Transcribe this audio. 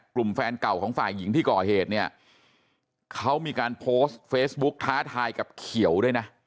แฟนเก่าของฝ่ายหญิงที่ก่อเหตุเนี่ยเขามีการโพสต์เฟซบุ๊กท้าทายกับเขียวด้วยนะ